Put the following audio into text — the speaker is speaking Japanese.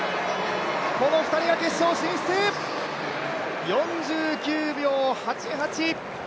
この２人が決勝進出、４９秒８８。